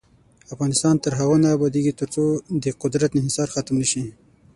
افغانستان تر هغو نه ابادیږي، ترڅو د قدرت انحصار ختم نشي.